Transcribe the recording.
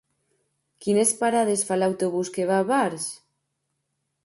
Quines parades fa l'autobús que va a Barx?